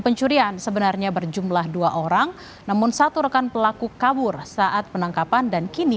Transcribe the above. pencurian sebenarnya berjumlah dua orang namun satu rekan pelaku kabur saat penangkapan dan kini